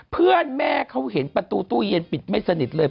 เพื่อนแม่เขาเห็นประตูตู้เย็นปิดไม่สนิทเลย